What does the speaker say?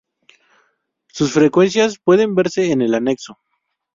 Sus frecuencias pueden verse en el anexo.